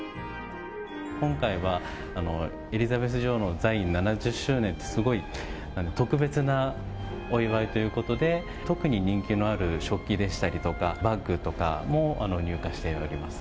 今回はエリザベス女王の在位７０周年って、すごい特別なお祝いということで、特に人気のある食器でしたりとか、バッグとかも入荷しております。